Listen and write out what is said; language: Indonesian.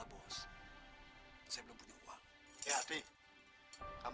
apa buat rita